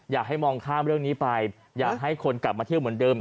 อยากให้มองข้ามเรื่องนี้ไปอยากให้คนกลับมาเที่ยวเหมือนเดิม